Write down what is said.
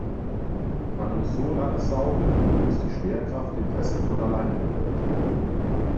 Man muss so lange saugen, bis die Schwerkraft den Rest von allein bewältigt.